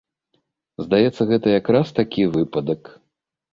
Здаецца, гэта як раз такі выпадак.